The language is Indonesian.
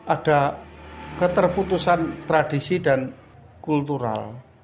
ada keterputusan tradisi dan kultural